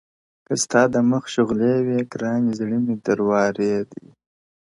که ستا د مخ شغلې وي گراني زړه مي در واری دی”